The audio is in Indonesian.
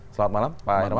selamat malam pak herman